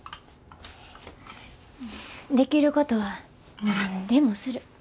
できることは何でもする。